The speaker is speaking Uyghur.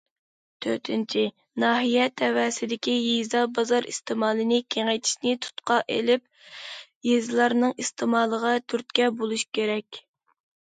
تۆتىنچى، ناھىيە تەۋەسىدىكى يېزا- بازار ئىستېمالىنى كېڭەيتىشنى تۇتقا قىلىپ، يېزىلارنىڭ ئىستېمالىغا تۈرتكە بولۇش كېرەك.